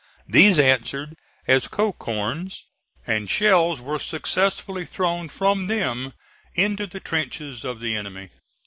These answered as coehorns, and shells were successfully thrown from them into the trenches of the enemy.